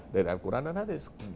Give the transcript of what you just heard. dari al quran dan hadis